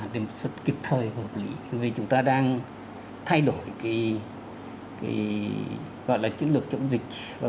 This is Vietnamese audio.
đề xuất kịp thời và hợp lý vì chúng ta đang thay đổi cái gọi là chức lược chống dịch